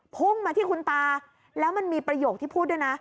พุ่งมาที่คุณตาแล้วมันมีประโยคที่พูดด้วยนะ